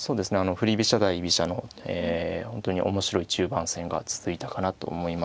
振り飛車対居飛車の本当に面白い中盤戦が続いたかなと思います。